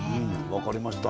分かりました